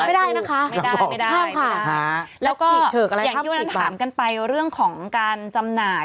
ไม่ได้นะคะห้ามค่ะแล้วก็อย่างที่ว่านั้นถามกันไปเรื่องของการจำหน่าย